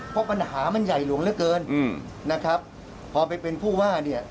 เพราะปัญหามันใหญ่หลวงเหลือเกินอืมนะครับพอไปเป็นผู้ว่าเนี่ย